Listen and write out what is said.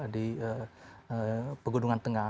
di pegunungan tengah